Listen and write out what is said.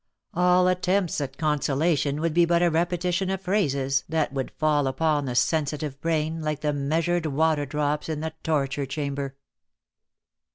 All attempts at consolation would be but a repetition of phrases that would fall upon the sensitive brain like the measured water drops in the torture chamber.